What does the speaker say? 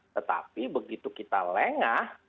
tetapi begitu kita lengah